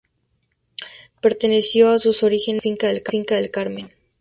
Perteneció en sus orígenes a la finca El Carmen.